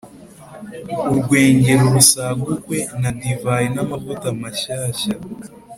urwengero rusagukwe na divayi n’amavuta mashyashya.